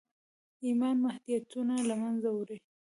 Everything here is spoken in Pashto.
ايمان محدوديتونه له منځه وړي.